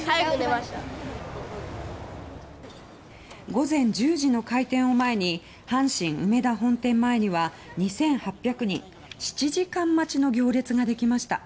午前１０時の開店を前に阪神梅田本店前には２８００人７時間待ちの行列ができました。